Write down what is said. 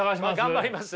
頑張ります？